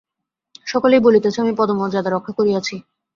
সকলেই বলিতেছে আমি পদমর্যাদা রক্ষা করিয়াছি।